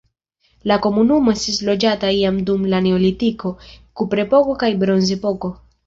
La komunumo estis loĝata jam dum la neolitiko, kuprepoko kaj bronzepoko.